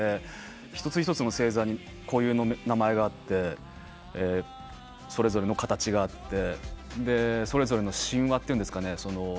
一つ一つの星座にこういう名前があってそれぞれの形があってそれぞれの神話というんですかね